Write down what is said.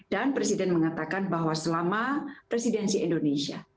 dan presiden mengatakan bahwa selama presidensi indonesia